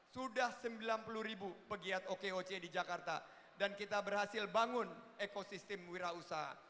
sudah sembilan puluh ribu pegiat okoc di jakarta dan kita berhasil bangun ekosistem wira usaha